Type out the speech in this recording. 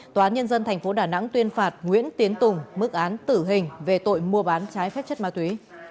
tòa án nhân dân tp đà nẵng tuyên phạt nguyễn tiến tùng mức án tử hình về tội mua bán trái phép chất ma túy